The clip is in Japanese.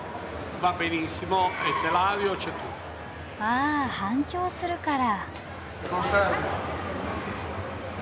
あ反響するから。